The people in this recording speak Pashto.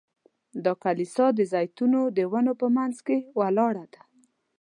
دا کلیسا د زیتونو د ونو په منځ کې ولاړه ده.